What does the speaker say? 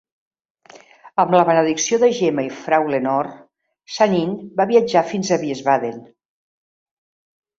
Amb la benedicció de Gemma i Frau Lenore, Sanin va viatjar fins a Wiesbaden.